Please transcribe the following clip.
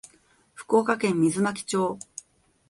福岡県水巻町